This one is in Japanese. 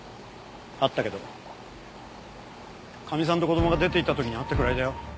あったけどかみさんと子供が出て行った時に会ったくらいだよ。